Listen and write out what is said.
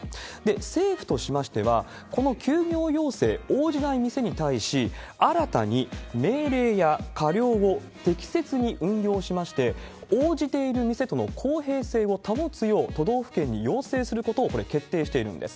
政府としましては、この休業要請、応じない店に対し、新たに命令や過料を適切に運用しまして、応じている店との公平性を保つよう、都道府県に要請することを、これ、決定しているんです。